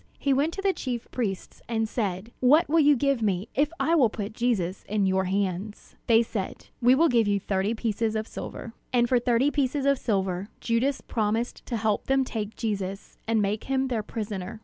He went to the chief priests, and said: "What will you give me, if I will put Jesus in your hands?" They said, "We will give you thirty pieces of silver." And for thirty pieces of silver Judas promised to help them take Jesus, and make him their prisoner.